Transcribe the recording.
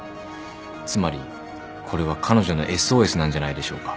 つまりこれは彼女のＳＯＳなんじゃないでしょうか。